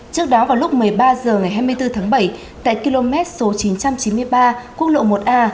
trước đó vào lúc một mươi ba h ngày hai mươi bốn tháng bảy tại km số chín trăm chín mươi ba quốc lộ một a